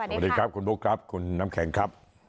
สวัสดีครับคุณบุ๊คครับคุณน้ำแข็งครับ